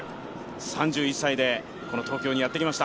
３１歳で東京にやってきました。